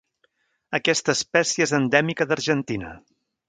Aquesta espècie és endèmica d'Argentina.